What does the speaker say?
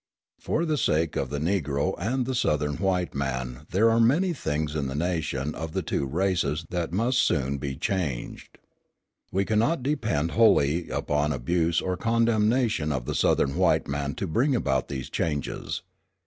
For the sake of the Negro and the Southern white man there are many things in the relation of the two races that must soon be changed. We cannot depend wholly upon abuse or condemnation of the Southern white man to bring about these changes.